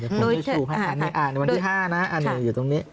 อ่าเดี๋ยวผมให้ถูกให้ค่ะอ่าในวันที่ห้านะอ่าหนูอยู่ตรงนี้